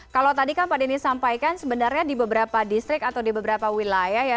kalau tadi kan pak denny sampaikan sebenarnya di beberapa distrik atau di beberapa wilayah ya